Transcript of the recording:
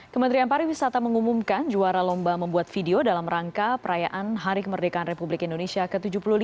kementerian pariwisata mengumumkan juara lomba membuat video dalam rangka perayaan hari kemerdekaan republik indonesia ke tujuh puluh lima